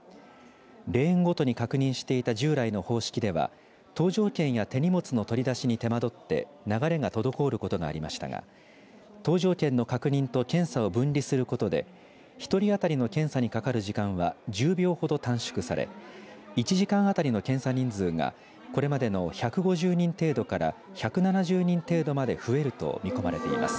レーンごとに確認していた従来の方式では搭乗券や手荷物の取り出しに手間取って流れが滞ることがありましたが搭乗券の確認と検査を分離することで１人当たりの検査にかかる時間が１０秒ほど短縮され１時間当たりの検査人数がこれまでの１５０人程度から１７０人程度まで増えると見込まれています。